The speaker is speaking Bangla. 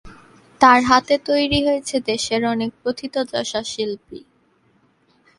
তার হাতে তৈরি হয়েছে দেশের অনেক প্রথিতযশা শিল্পী।